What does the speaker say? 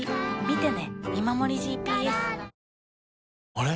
あれ？